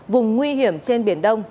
vùng nguy hiểm trên biển đông